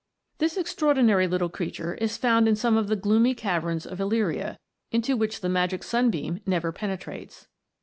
This extraordinary little creature is found in some of the gloomy caverns of Illyria, into which the magic sunbeam never penetrates.